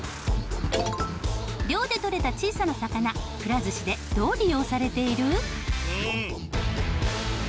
漁でとれた小さな魚くら寿司でどう利用されている？